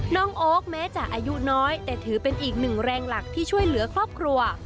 น้องโอ๊คแม้จะอายุน้อยแต่ถือเป็นอีกหนึ่งแรงหลักที่ช่วยเหลือครอบครัว